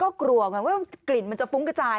ก็กลัวไงว่ากลิ่นมันจะฟุ้งกระจาย